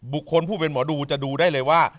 บุคคลผู้เป็นหมอดูจะดูได้เลยว่า